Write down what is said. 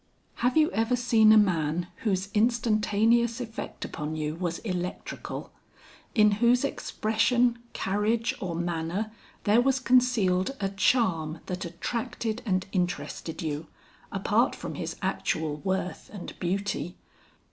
"Have you ever seen a man whose instantaneous effect upon you was electrical; in whose expression, carriage, or manner, there was concealed a charm that attracted and interested you, apart from his actual worth and beauty?